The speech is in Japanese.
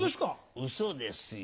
ウソですよ。